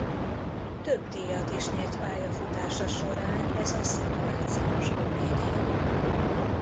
Több díjat is nyert pályafutása során ez a szituációs komédia.